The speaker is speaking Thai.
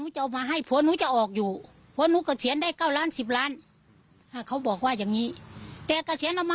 สามีไปหลงเชื่อที่แรกพาไปสวดมนต์